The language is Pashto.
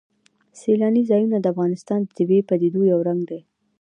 سیلانی ځایونه د افغانستان د طبیعي پدیدو یو رنګ دی.